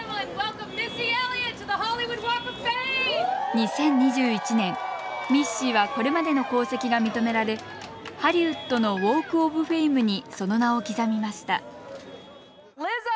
２０２１年ミッシーはこれまでの功績が認められハリウッドのウォーク・オブ・フェイムにその名を刻みました。